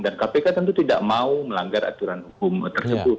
dan kpk tentu tidak mau melanggar aturan hukum tersebut